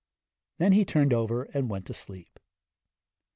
Then he turned over and went to sleep.